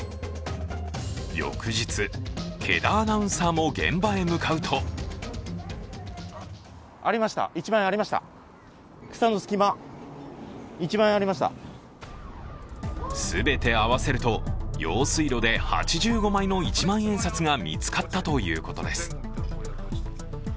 翌日、毛田アナウンサーも現場へ向かうと全て合わせると用水路で８５枚の一万円札が見つかったということです。